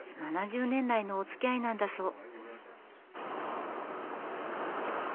７０年来のおつきあいなんだそう。